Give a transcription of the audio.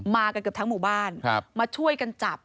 กันเกือบทั้งหมู่บ้านมาช่วยกันจับ